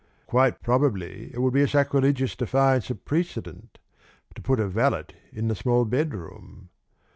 Quite probably it would be a sacrilegious defiance of precedent to put a valet in the small bedroom.